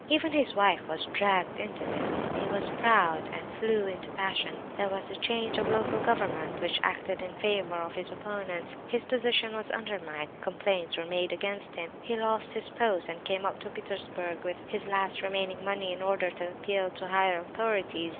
Even his wife was dragged into these. He was proud, and flew into a passion; there was a change of local government which acted in favour of his opponents; his position was undermined, complaints were made against him; he lost his post and came up to Petersburg with his last remaining money, in order to appeal to higher authorities.